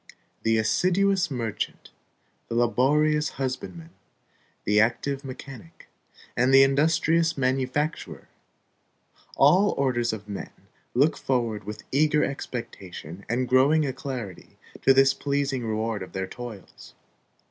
The assiduous merchant, the laborious husbandman, the active mechanic, and the industrious manufacturer, all orders of men, look forward with eager expectation and growing alacrity to this pleasing reward of their toils.